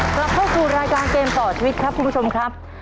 กลับเข้าสู่รายการเกมต่อชีวิตครับคุณผู้ชมครับ